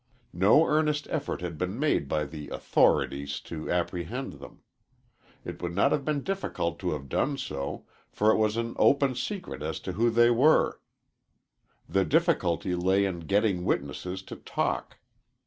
No earnest effort had been made by the "authorities" to apprehend them. It would not have been difficult to have done so, for it was an open secret as to who they were. The difficulty lay in getting witnesses to talk.